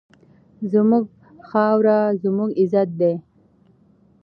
زموږ خاوره زموږ عزت دی.